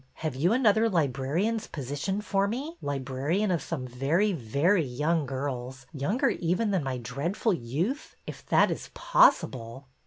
Have you another libra rian's position for me, librarian of some very, very young girls, younger even than my dread ful youth, if that is possible